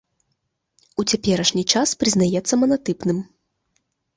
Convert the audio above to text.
У цяперашні час прызнаецца манатыпным.